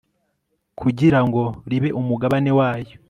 kugirango ribe umugabane wayo